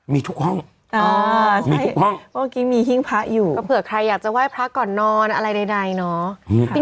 มีทุกห้องมีทุกห้องเพราะเผื่อใครอยากจะไห้พระก่อนนอนอะไรใดเนาะ